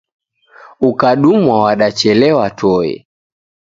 Ukadumwa wadachelewa toe.